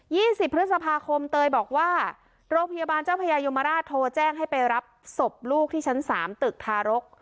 สิบพฤษภาคมเตยบอกว่าโรงพยาบาลเจ้าพญายมราชโทรแจ้งให้ไปรับศพลูกที่ชั้นสามตึกทารก